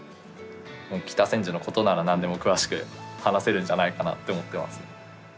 北千住のことならなんでも詳しく話せるんじゃないかなって思ってます。